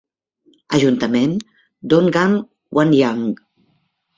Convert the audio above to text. Ajuntament, Dongan Gwanyang.